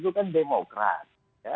itu kan demokrat